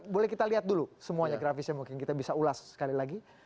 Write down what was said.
boleh kita lihat dulu semuanya grafisnya mungkin kita bisa ulas sekali lagi